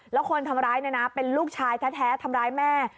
แล้วคนทำร้ายเนี่ยนะเป็นลูกชายแท้ทำร้ายแม่